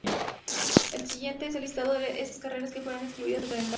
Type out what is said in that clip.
El siguiente es el listado de esas carreras que fueron excluidas del calendario.